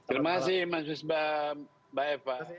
terima kasih mas wisbah mbak eva